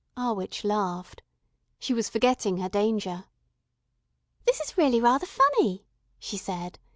Our witch laughed. She was forgetting her danger. "This is really rather funny," she said.